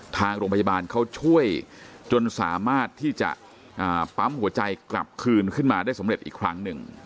ทางโรงพยาบาลเขาช่วยจนสามารถที่จะปั๊มหัวใจกลับคืนขึ้นมาได้สำเร็จอีกครั้งหนึ่ง